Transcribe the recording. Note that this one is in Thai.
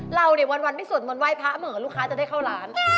เราวันที่สุดมนไว้พระเหมือนลูกค้าจะได้เข้าร้าน